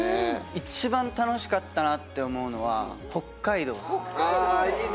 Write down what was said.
一番楽しかったなって思うのは北海道ですね。